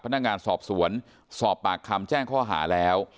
พนักงานสอบสวนสอบปากคำแจ้งข้อหาแล้ว